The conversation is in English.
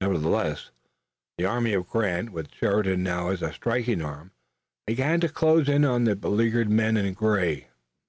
Nevertheless the army of Grant, with Sheridan now as a striking arm, began to close in on the beleaguered men in gray.